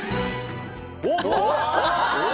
お！